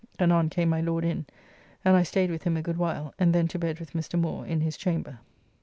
Anon came my Lord in, and I staid with him a good while, and then to bed with Mr. Moore in his chamber.